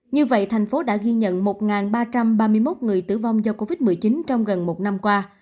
như vậy thành phố đã ghi nhận một ba trăm ba mươi một người tử vong do covid một mươi chín trong gần một năm qua